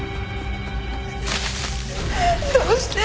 どうして？